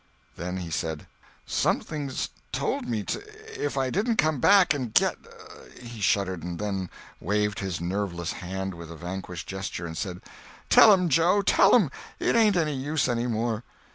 Then he said: "Something told me 't if I didn't come back and get—" He shuddered; then waved his nerveless hand with a vanquished gesture and said, "Tell 'em, Joe, tell 'em—it ain't any use any more."